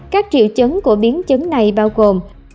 các triệu chứng của biến chứng này bao gồm